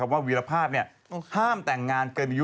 ดูทักว่าวิรภาพนี่ห้ามแต่งงานเกินิยุ๔๐